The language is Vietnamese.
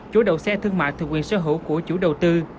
chủ đầu xe thương mại thuộc quyền sở hữu của chủ đầu tư